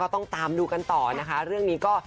ต้องตามดูกันต่อนะคะเรื่องนี้ก็